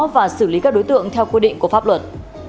và xử lý các đối tượng theo quy định của pháp luật